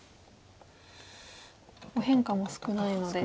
変化も少ないので。